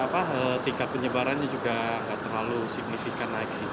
biar tingkat penyebarannya juga gak terlalu signifikan naik sih